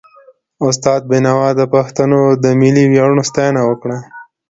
استاد بينوا د پښتنو د ملي ویاړونو ستاینه وکړه.